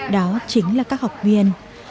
đó chính là các học viên